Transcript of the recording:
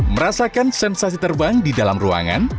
merasakan sensasi terbang di dalam ruangan